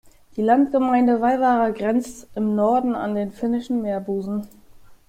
Die Landgemeinde Vaivara grenzt im Norden an den Finnischen Meerbusen.